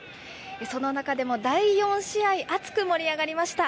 その中でも第４試合、熱く盛り上がりました。